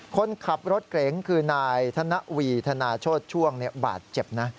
คนขับรถเก๋งคือนายธนวีธนาโชธช่วงบาดเจ็บนะ